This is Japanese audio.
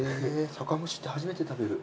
酒蒸って初めて食べる。